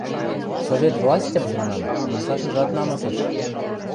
– Совет властьым, – манам, – вырсашыжат намысыш.